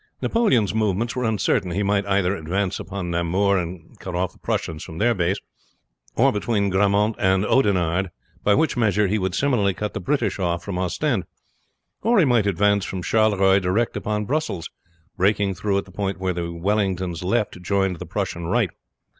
Napoleon's movements were uncertain. He might either advance upon Namur and cut off the Prussians from their base, or between Grammont and Oudenarde, by which measure he would similarly cut the British off from Ostend; or he might advance from Charleroi direct upon Brussels, breaking through at the point where Wellington's left joined the Prussian right.